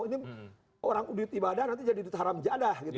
ini orang diibadah nanti jadi haram jadah gitu kan